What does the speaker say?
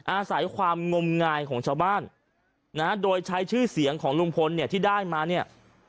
อาศัยความงมงายของชาวบ้านนะโดยใช้ชื่อเสียงของลุงพลเนี่ยที่ได้มาเนี่ย